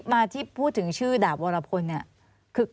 มาที่พูดถึงชื่อดาบวรพลเนี่ย